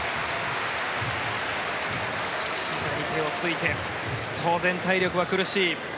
ひざに手をついて当然体力は苦しい。